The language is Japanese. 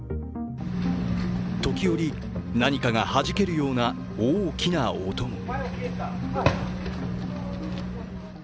時折、何かがはじけるような大きな音も。